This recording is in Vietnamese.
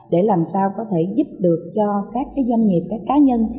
để làm sao có thể giúp được cho các doanh nghiệp các cá nhân